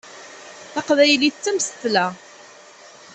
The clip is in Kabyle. Taqbaylit d tamsetla.